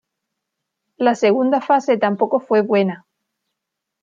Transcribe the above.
La segunda fase tampoco fue buena.